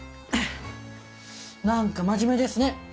何か真面目ですね。